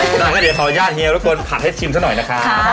ก็เดี๋ยวขออนุญาตเฮียเมื่อก่อนผัดให้ชิมซักหน่อยนะคะ